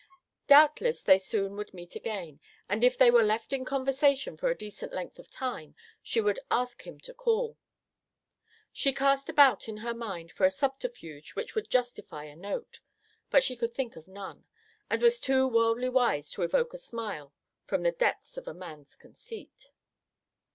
Doubtless they soon would meet again, and if they were left in conversation for a decent length of time she would ask him to call. She cast about in her mind for a subterfuge which would justify a note, but she could think of none, and was too worldly wise to evoke a smile from the depths of a man's conceit.